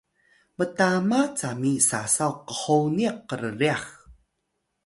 mtama cami sasaw qhoniq krryax